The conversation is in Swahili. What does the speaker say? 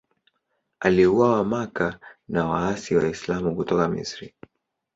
Aliuawa Makka na waasi Waislamu kutoka Misri.